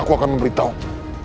aku akan memberitahumu